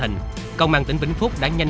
nó thật nhỏ